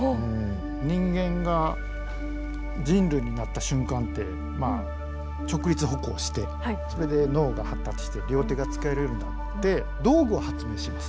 人間が人類になった瞬間ってまあ直立歩行してそれで脳が発達して両手が使えるようになって道具を発明します。